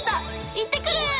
行ってくる！